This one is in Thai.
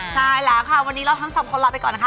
ใช่แล้วค่ะวันนี้เราทั้งสองคนลาไปก่อนนะคะ